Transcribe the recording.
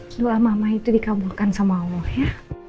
setelah mama itu dikabulkan sama allah ya